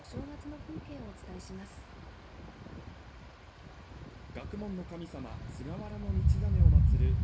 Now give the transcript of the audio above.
学問の神様・菅原道真を祭る